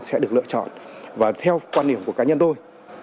sẽ được lựa chọn và theo quan điểm của cá nhân tôi